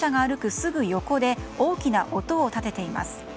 すぐ横で大きな音を立てています。